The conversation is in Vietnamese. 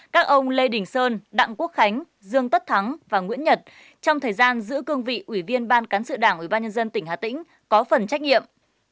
các ông lê đình sơn đặng quốc khánh dương tất thắng và nguyễn nhật trong thời gian giữ cương vị ủy viên ban cán sự đảng ủy ban nhân dân tỉnh hà tĩnh có phần trách nhiệm